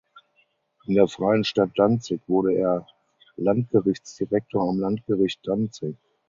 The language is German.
In der Freien Stadt Danzig wurde er Landgerichtsdirektor am Landgericht Danzig.